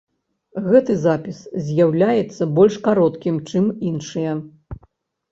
Гэты запіс з'яўляецца больш кароткім, чым іншыя.